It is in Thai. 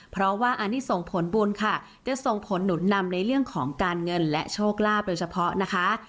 เพราะว่าอันนี้ส่งผลบุญค่ะจะส่งผลหนุนนำในเรื่องของการเงินและโชคลาภโดยเฉพาะนะคะ